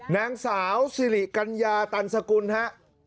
นางสาวซิริกัญญาตรรสกุลครับ